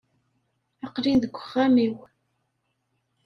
Aqel-in deg uxxam-iw.